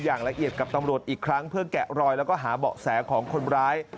อย่างละเอียดกับตำรวจอีกครั้งเพื่อแกะรอยแล้วก็หาเบาะแสของคนร้าย